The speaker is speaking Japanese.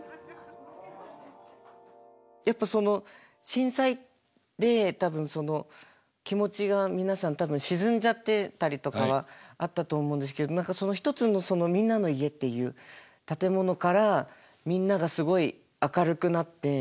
やっぱその震災で多分気持ちが皆さん多分沈んじゃってたりとかはあったと思うんですけど何かその一つのみんなの家っていう建物からみんながすごい明るくなって。